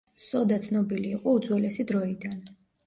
სოდა ცნობილი იყო უძველესი დროიდან.